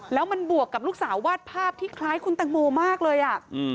แล้วมันบวกกับลูกสาววาดภาพที่คล้ายคุณตังโมมากเลยอ่ะ